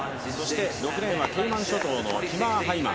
６レーンはケイマン諸島のキマー・ハイマン。